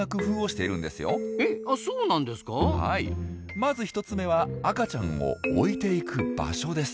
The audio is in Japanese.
まず１つ目は赤ちゃんを置いていく場所です。